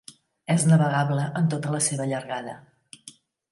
És navegable en tota la seva llargada.